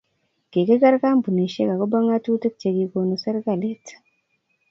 kikiker kampunisiek akobo ng'atutik che kikonu serikalit